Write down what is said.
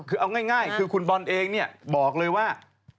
คือเอาง่ายคือคุณบอลเองเนี่ยบอกเลยว่า